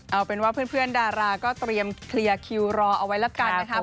เอาเป็นว่าเพื่อนดาราก็เตรียมเคลียร์คิวรอเอาไว้แล้วกันนะครับ